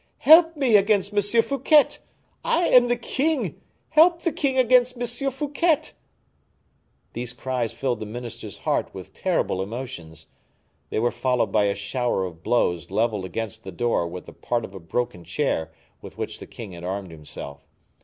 Help me against M. Fouquet! I am the king! Help the king against M. Fouquet!" These cries filled the minister's heart with terrible emotions. They were followed by a shower of blows leveled against the door with a part of the broken chair with which the king had armed himself.